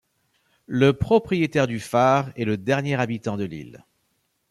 Le propriétaire du phare est le dernier habitant de l'île.